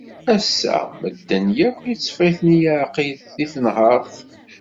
ass-a medden yakk itteffeɣ-iten leεqel di tenhert.